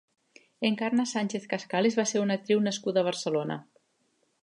Encarna Sánchez Cascales va ser una actriu nascuda a Barcelona.